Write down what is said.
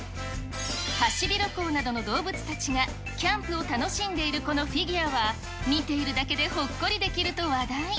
ハシビロコウなどの動物たちがキャンプを楽しんでいる、このフィギュアは見ているだけでほっこりできると話題。